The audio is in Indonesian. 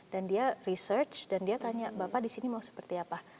dan dia research dan dia tanya bapak disini mau seperti apa